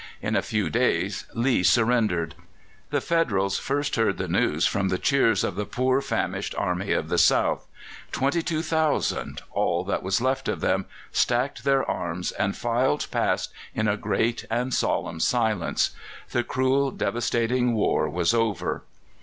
In a few days Lee surrendered. The Federals first heard the news from the cheers of the poor famished army of the South. Twenty two thousand all that was left of them stacked their arms and filed past in a great and solemn silence. The cruel, devastating war was over.